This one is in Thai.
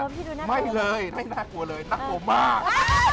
ไม่เหรอไม่น่ากลัวเลยเดี๋ยวน่ากลัวมาก